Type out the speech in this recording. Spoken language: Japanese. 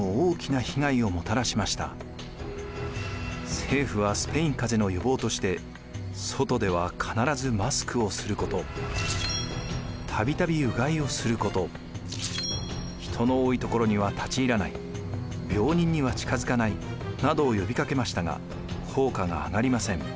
政府はスペインかぜの予防として外では必ずマスクをすること度々うがいをすること人の多い所には立ち入らない病人には近づかないなどを呼びかけましたが効果が上がりません。